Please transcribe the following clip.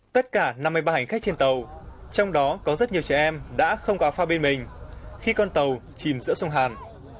tất cả năm mươi ba hành khách trên tàu trong đó có rất nhiều trẻ em đã không có phao bên mình khi con tàu chìm giữa sông hàn